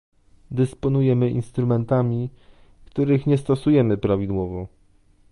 Dysponujemy instrumentami, których nie stosujemy prawidłowo